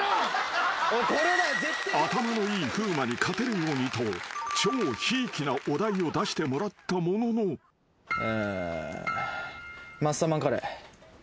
［頭のいい風磨に勝てるようにと超ひいきなお題を出してもらったものの］えっ？